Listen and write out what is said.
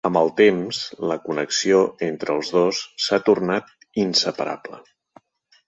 Amb el temps, la connexió entre els dos s'ha tornat inseparable.